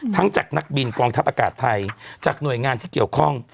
จากนักบินกองทัพอากาศไทยจากหน่วยงานที่เกี่ยวข้อง